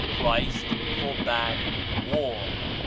Christ forbad war